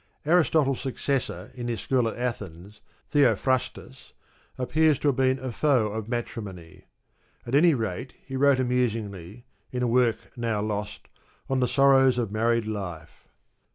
Aris totle's successor in his school at Athens, Theophrastus, appears to have been a foe of matrimony. At any rate he wrote amusingly, in a work now lost, on the sorrows of married life.